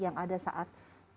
yang ada saat